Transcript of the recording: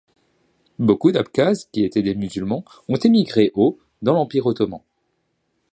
Beaucoup d'Abkhazes qui étaient des musulmans ont émigré au dans l'empire ottoman.